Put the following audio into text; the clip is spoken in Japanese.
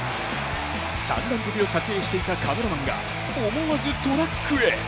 三段跳を撮影していたカメラマンが思わずトラックへ。